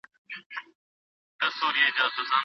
ای ږیره لرونکی سړیه، ډوډۍ او مڼه ژر راوړه.